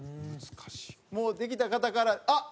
もうできた方からあっ！